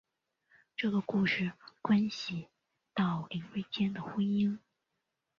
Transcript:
这个故事关系到林瑞间的婚姻。